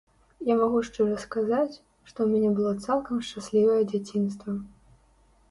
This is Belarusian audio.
Я магу шчыра сказаць, што ў мяне было цалкам шчаслівае дзяцінства.